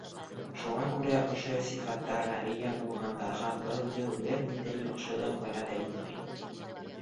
Шуға күрә ошо сифаттарға эйә булғандарға был йыл бер ниндәй яҡшылыҡ вәғәҙә итмәй.